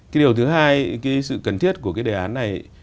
cái điều thứ hai cái sự cần thiết của cái đề án này